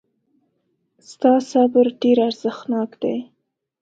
ستا صبر ډېر ارزښتناک دی.